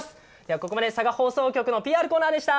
ここまで、佐賀放送局のＰＲコーナーでした。